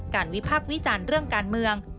การวิพักวิจารณ์เรื่องการเมือง